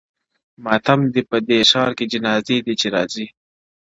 ماتم دی په دې ښار کي جنازې دي چي راځي-